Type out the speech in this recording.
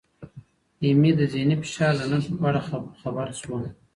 ایمي د ذهني فشار د نښو په اړه خبر شوه.